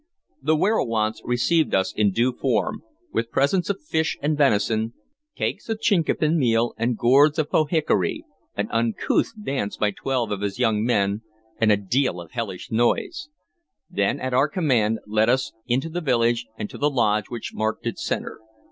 The werowance received us in due form, with presents of fish and venison, cakes of chinquapin meal and gourds of pohickory, an uncouth dance by twelve of his young men and a deal of hellish noise; then, at our command, led us into the village, and to the lodge which marked its centre.